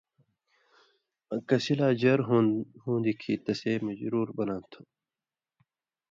آں کَسی لا جر ہُوندیۡ کھیں تسے مجرُور بناں تھہ